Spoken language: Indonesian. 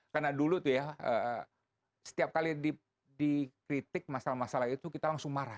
karena dulu setiap kali dikritik masalah masalah itu kita langsung marah